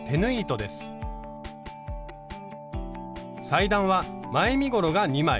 裁断は前身ごろが２枚。